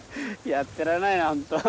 やってられないよ本当。